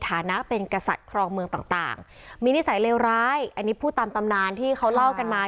ฐานะเป็นกษัตริย์ครองเมืองต่างมีนิสัยเลวร้ายอันนี้พูดตามตำนานที่เขาเล่ากันมา